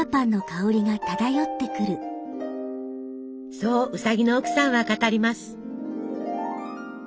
そうウサギのおくさんは語ります。